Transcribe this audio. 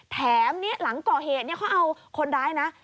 แถมหลังก่อเหตุเขาเอาคนร้ายนะ